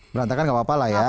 berantakan gak apa apa lah ya